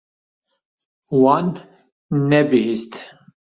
Wan nebihîst.